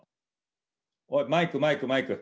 おいマイクマイクマイク！